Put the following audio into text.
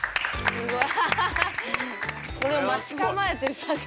すごい。